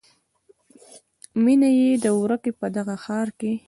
میینه ده ورکه په دغه ښار کې